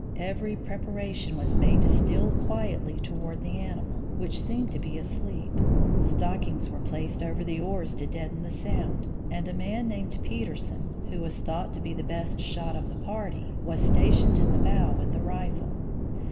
Every preparation was made to steal quietly toward the animal, which seemed to be asleep. Stockings were placed over the oars to deaden the sound, and a man named Peterson, who was thought to be the best shot of the party, was stationed in the bow with the rifle.